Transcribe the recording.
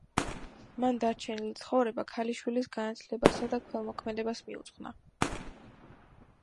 მან დარჩენილი ცხოვრება ქალიშვილის განათლებასა და ქველმოქმედებას მიუძღვნა.